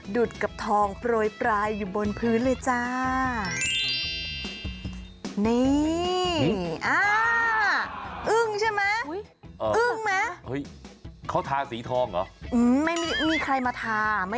ดกับทองโปรยปลายอยู่บนพื้นเลยจ้า